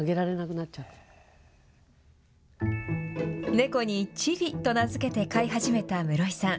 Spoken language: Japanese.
猫にチビと名付けて飼い始めた室井さん。